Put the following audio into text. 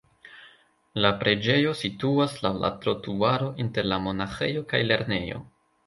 La preĝejo situas laŭ la trotuaro inter la monaĥejo kaj lernejo.